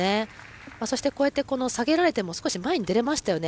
こうやって下げられても少し前に出れましたよね。